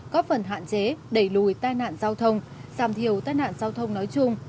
góp phần hạn chế đẩy lùi tai nạn giao thông giảm thiểu tai nạn giao thông nói chung